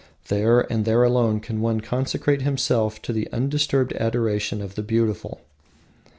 There and there alone one can consecrate himself to undisturbed adoration of the beautiful.